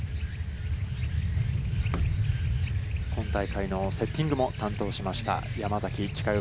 今大会のセッティングも担当しました、山崎千佳代